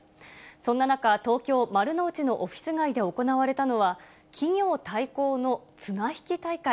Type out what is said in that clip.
そんな中、東京・丸の内のオフィス街で行われたのは、企業対抗の綱引き大会。